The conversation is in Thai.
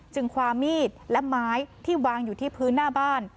ความมีดและไม้ที่วางอยู่ที่พื้นหน้าบ้าน